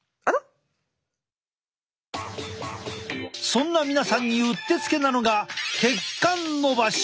そんな皆さんにうってつけなのが血管のばし。